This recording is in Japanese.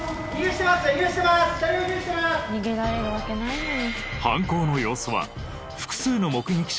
逃げられるわけないのに。